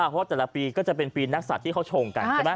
เพราะแต่ละปีก็จะเป็นปีนักศัตริย์ที่เขาชงกันใช่ไหม